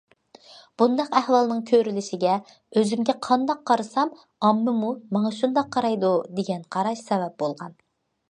بۇنداق ئەھۋالنىڭ كۆرۈلۈشىگە ئۆزۈمگە قانداق قارىسام، ئاممىمۇ ماڭا شۇنداق قارايدۇ، دېگەن قاراش سەۋەب بولغان.